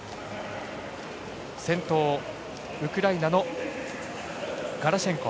先頭、ウクライナのガラシェンコ。